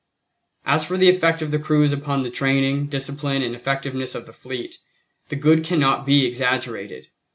As for the effect of the cruise upon the training, discipline and effectiveness of the fleet, the good cannot be exaggerated.